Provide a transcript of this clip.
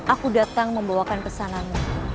aku datang membawakan pesanannya